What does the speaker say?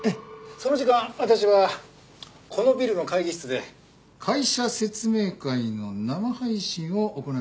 その時間私はこのビルの会議室で会社説明会の生配信を行っていました。